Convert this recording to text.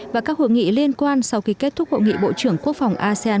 và các hội nghị liên quan sau khi kết thúc hội nghị bộ trưởng quốc phòng asean